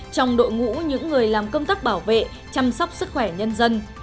trong đội ngũ những người làm công tác bảo vệ chăm sóc sức khỏe nhân dân